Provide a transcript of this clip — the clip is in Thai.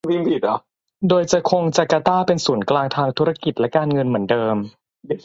โดยจะคงจาการ์ตาเป็นศูนย์กลางทางธุรกิจและการเงินเหมือนเดิม